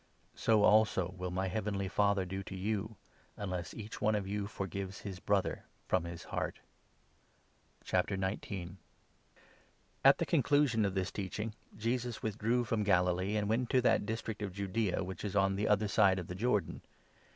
So, also, will my heavenly Father do to you, 35 unless each one of you forgives his Brother from his heart." IV.— THE JOURNEY TO JERUSALEM. A Question ^ ^le conclusion of this teaching, Jesus with about drew from Galilee, and went into that district of Divorce. Judaea which is on the other side of the Jordan.